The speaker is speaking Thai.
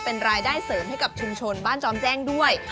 เป็นรายได้เสริมให้กับชุมชนบ้านจอมแจ้งด้วย